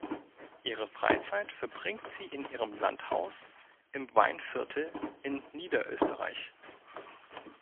Ihre Freizeit verbringt sie in ihrem Landhaus im Weinviertel in Niederösterreich.